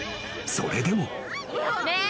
それでも］